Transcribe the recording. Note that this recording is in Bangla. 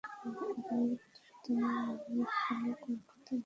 একবার মধুসূদনের মনে হল কলতলায় গিয়ে কুমুর সঙ্গে বোঝাপড়া করে নেয়।